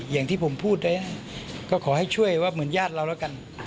อย่างที่ผมพูดไว้ก็ขอให้ช่วยว่าเหมือนญาติเราแล้วกัน